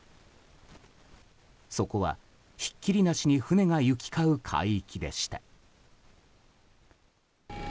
そこは、ひっきりなしに船が行き交う海域でした。